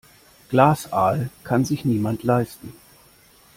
Glasaal kann sich niemand leisten.